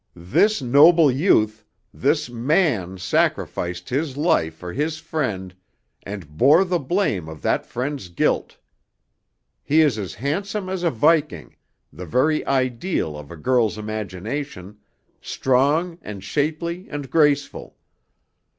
This noble youth, this man sacrificed his life for his friend and bore the blame of that friend's guilt. He is as handsome as a Viking, the very ideal of a girl's imagination, strong and shapely and graceful.